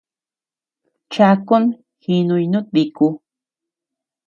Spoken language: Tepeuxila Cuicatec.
Chakun jínuy nútdiku.